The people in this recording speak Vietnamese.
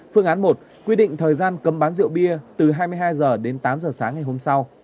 phương án một quy định thời gian cấm bán rượu bia từ hai mươi hai h đến tám h sáng ngày hôm sau